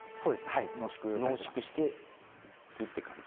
はい濃縮してくって感じ